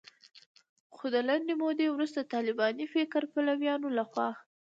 خو د لنډې مودې وروسته د طالباني فکر پلویانو لخوا